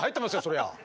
そりゃ！